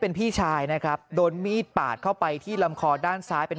เป็นพี่ชายนะครับโดนมีดปาดเข้าไปที่ลำคอด้านซ้ายเป็น